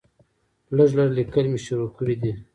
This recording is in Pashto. لږ لږ ليکل مې شروع کړي دي